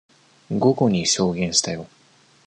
午後に証言したよ。